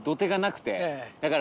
だから。